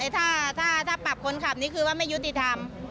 ถ้าปรับคนขับนี่คือว่าไม่ยุติธรรม